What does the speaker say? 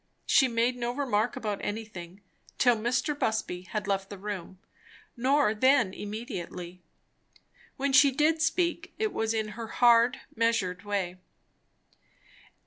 She made no remark about anything, till Mr. Busby had left the room; nor then immediately. When she did speak, it was in her hard, measured way.